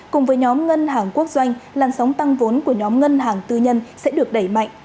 cùng với nhóm ngân hàng quốc doanh làn sóng tăng vốn của nhóm ngân hàng tư nhân sẽ được đẩy mạnh